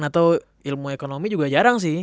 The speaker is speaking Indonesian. atau ilmu ekonomi juga jarang sih